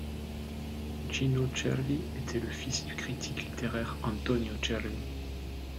Gino Cervi était le fils du critique littéraire Antonio Cervi.